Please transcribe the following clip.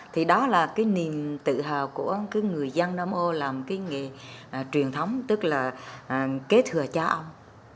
thì đó là cái niềm tự hào của cái người dân nam âu làm cái nghề truyền thống tức là kế thừa cha ông